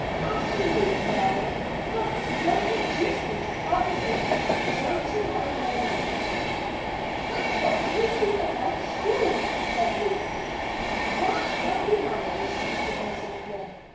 As to you, darling, nothing will induce me to part with you until to morrow morning." "But what will you do about school?" said Ruth. "That can be managed," said Miss O'Flynn.